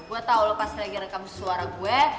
gue tau lo pas lagi rekam suara gue